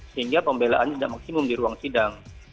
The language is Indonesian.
sehingga pembelaannya tidak maksimum di ruang sidang